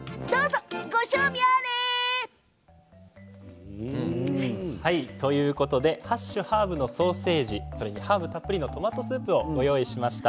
ご賞味あれ！ということで８種類のハーブのソーセージハーブたっぷりのトマトスープをご用意しました。